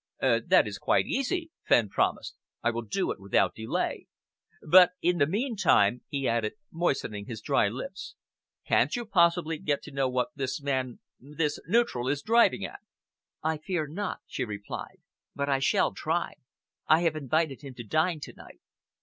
"That is quite easy," Fenn promised. "I will do it without delay. But in the meantime," he added, moistening his dry lips, "can't you possibly get to know what this man this neutral is driving at?" "I fear not," she replied, "but I shall try. I have invited him to dine to night."